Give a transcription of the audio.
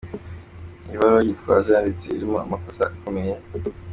Iyi baruwa Gitwaza yanditse irimo amakosa akomeye.